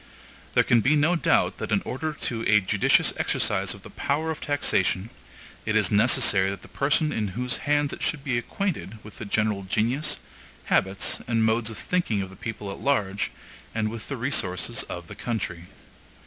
There can be no doubt that in order to a judicious exercise of the power of taxation, it is necessary that the person in whose hands it should be acquainted with the general genius, habits, and modes of thinking of the people at large, and with the resources of the country.